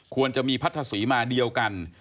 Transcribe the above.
ควรจะมีพัทธศรีมาเดียวกัน